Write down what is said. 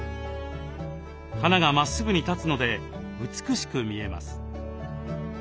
花がまっすぐに立つので美しく見えます。